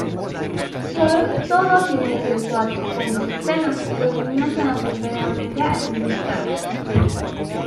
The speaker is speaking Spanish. Sobre todo tienen acceso a fondos externos y los mismos son apropiadamente administrados.